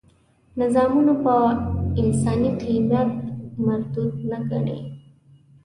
نظامونه په انساني قیمت مردود نه ګڼي.